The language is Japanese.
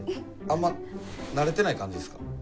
あんま慣れてない感じですか？